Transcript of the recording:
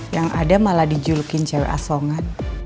yang ada malah dijulukin cewek asongan